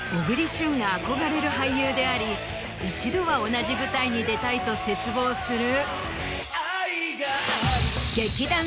旬が憧れる俳優であり一度は同じ舞台に出たいと切望する。